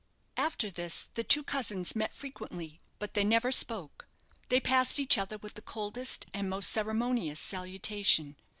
After this the two cousins met frequently; but they never spoke. They passed each other with the coldest and most ceremonious salutation.